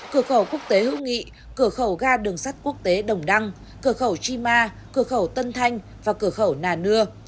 cửa khẩu quốc tế hữu nghị cửa khẩu ga đường sắt quốc tế đồng đăng cửa khẩu chi ma cửa khẩu tân thanh và cửa khẩu nà nưa